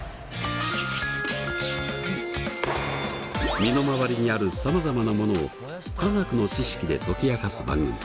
身の回りにあるさまざまなものを化学の知識で解き明かす番組。